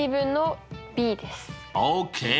ＯＫ！